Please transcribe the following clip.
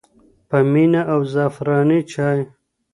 په مینه او زعفراني چای.